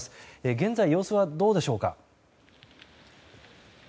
現在、様子はどうでしょうか。